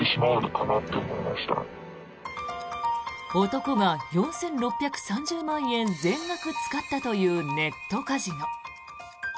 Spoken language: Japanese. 男が４６３０万円全額使ったというネットカジノ。